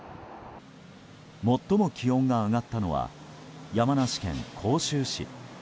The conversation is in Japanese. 最も気温が上がったのは山梨県甲州市。